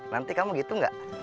nanti kamu gitu nggak